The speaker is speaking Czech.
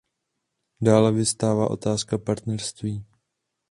Dále vyvstává otázka partnerství.